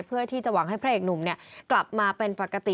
เพื่อที่จะหวังให้พระเอกหนุ่มกลับมาเป็นปกติ